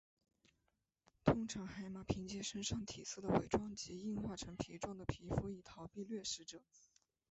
通常海马凭借身上体色的伪装及硬化成皮状的皮肤以逃避掠食者。